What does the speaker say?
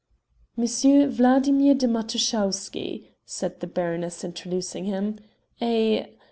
"Monsieur Vladimir de Matuschowsky," said the baroness introducing him, "a